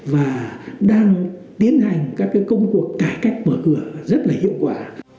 và đang tiến hành các công cuộc cải cách mở cửa rất là hiệu quả